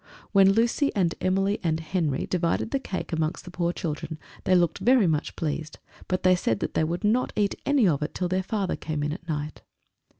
When Lucy and Emily and Henry divided the cake amongst the poor children, they looked very much pleased; but they said that they would not eat any of it till their father came in at night.